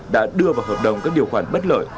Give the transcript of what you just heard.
đã đưa vào hợp đồng các điều khoản bất lợi